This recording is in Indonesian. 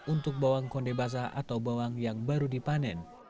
untuk bawang konde basah atau bawang yang baru dipanen